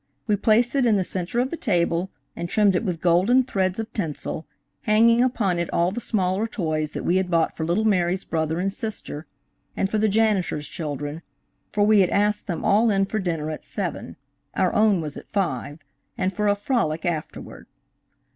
We placed it in the center of the table and trimmed it with golden threads of tinsel, hanging upon it all the smaller toys that we had bought for little Mary's brother and sister, and for the janitor's children, for we had asked them all in for dinner at seven (our own was at five), and for a frolic afterward.